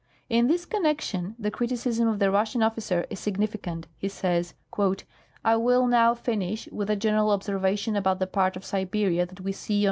In this connection the criticism of the Russian officer is signifi cant. He says :" I will now finish with a general observation about the part of Siberia that we see on M.